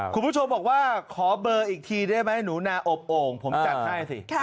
คุณผู้ชมบอกว่าขอเบอร์อีกทีได้ไหมหนูนาอบโอ่งผมจัดให้สิ